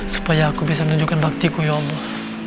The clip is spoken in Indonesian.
supaya aku bisa menunjukkan bakti ku ya allah